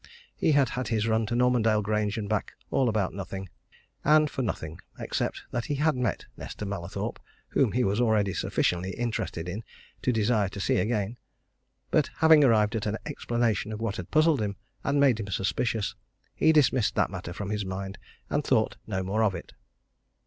he had had his run to Normandale Grange and back all about nothing, and for nothing except that he had met Nesta Mallathorpe, whom he was already sufficiently interested in to desire to see again. But having arrived at an explanation of what had puzzled him and made him suspicious, he dismissed that matter from his mind and thought no more of it.